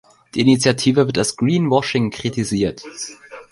Die Initiative wird als Greenwashing kritisiert.